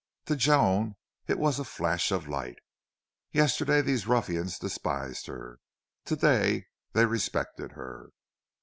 To Joan it was a flash of light. Yesterday these ruffians despised her; to day they respected her.